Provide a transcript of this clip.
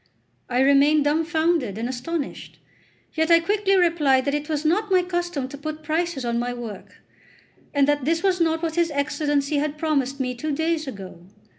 I remained dumbfounded and astonished; yet I quickly replied that it was not my custom to put prices on my work, and that this was not what his Excellency had promised me two days ago.